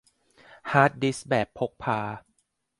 ฮาร์ดดิสก์แบบพกพา